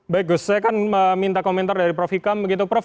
baik gus saya akan minta komentar dari prof hikam begitu prof